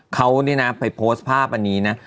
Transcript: เขาเนี่ยนะไปโพสต์ภาพอันนี้นะ